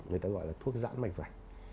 người ta gọi là thuốc giãn mạch vảnh